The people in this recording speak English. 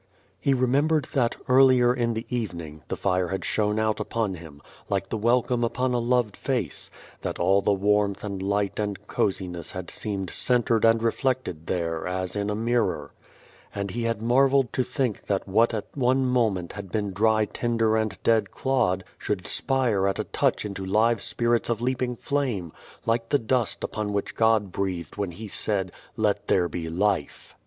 He remembered that, earlier in the evening, the fire had shone out upon him, like the The Face welcome upon a loved face ; that all the warmth and light and cosiness had seemed centred and reflected there as in a mirror, and he had marvelled to think that what at one moment had been dry tinder and dead clod should spire at a touch into live spirits of leaping flame, like the dust upon which God breathed when He said, " Let there be life!"